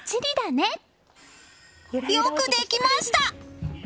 よくできました！